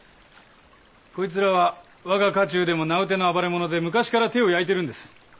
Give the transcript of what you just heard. こいつらは我が家中でも名うての暴れ者で昔から手を焼いてるんです。